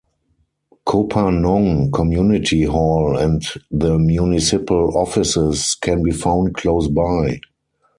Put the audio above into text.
Kopanong community hall and the municipal offices can be found close by.